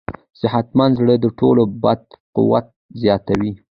صحتمند زړه د ټول بدن قوت زیاتوي.